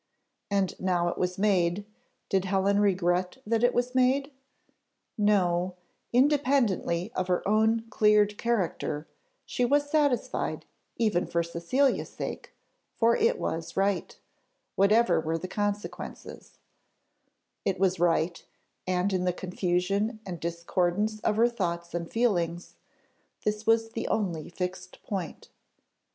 and now it was made, did Helen regret that it was made? No, independently of her own cleared character, she was satisfied, even for Cecilia's sake, for it was right, whatever were the consequences; it was right, and in the confusion and discordance of her thoughts and feelings, this was the only fixed point.